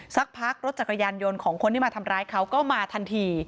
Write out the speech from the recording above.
สักพักรถจักรยานยนต์ของคนที่มาทำร้ายเขาก็มาทันที